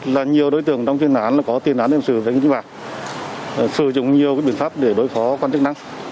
các đối tượng đã sử dụng nhiều biện pháp để đối phó quan trọng năng